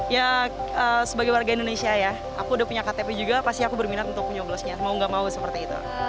ya sebagai warga indonesia ya aku udah punya ktp juga pasti aku berminat untuk menyoblosnya mau gak mau seperti itu